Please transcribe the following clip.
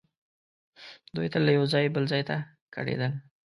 دوی تل له یو ځایه بل ځای ته کډېدل.